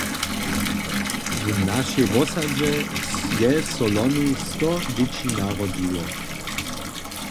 W našej wosadźe je so loni sto dźěći narodźiło.